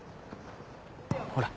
ほら。